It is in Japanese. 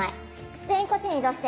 全員こっちに移動して。